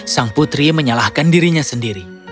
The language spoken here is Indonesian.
sang putri menyalahkan dirinya sendiri